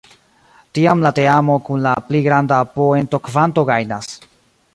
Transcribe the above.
Tiam la teamo kun la pli granda poentokvanto gajnas.